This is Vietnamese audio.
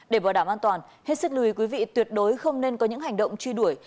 để bảo đảm an toàn hết sức lùi quý vị tuyệt đối không nên có những hành động truy đuổi